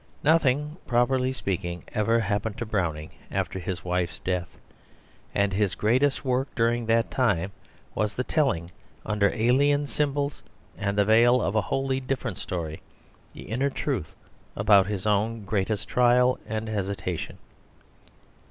Nothing, properly speaking, ever happened to Browning after his wife's death; and his greatest work during that time was the telling, under alien symbols and the veil of a wholly different story, the inner truth about his own greatest trial and hesitation.